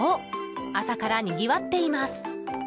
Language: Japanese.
朝からにぎわっています。